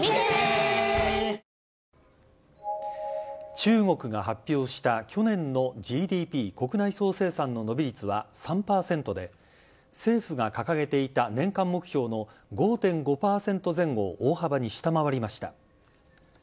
中国が発表した、去年のＧＤＰ・国内総生産の伸び率は３％で、政府が掲げていた年間目標の５．５％前後を大幅に下回りました。